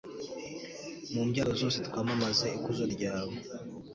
mu mbyaro zose twamamaze ikuzo ryawe